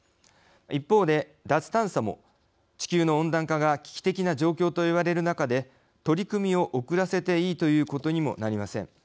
一方で、脱炭素も地球の温暖化が危機的な状況といわれる中で取り組みを遅らせていいということにもなりません。